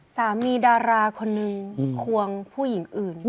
ดาราคนนึงควงผู้หญิงอื่น